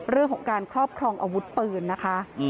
เรื่องของการครอบครองอาวุธปืนนะคะ